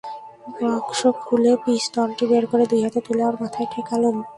বাক্স খুলে পিস্তলটি বের করে দুই হাতে তুলে আমার মাথায় ঠেকালুম।